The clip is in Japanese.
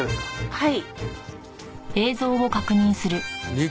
はい。